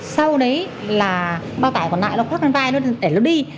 sau đấy là bao tải còn lại nó khoác lên vai thôi để nó đi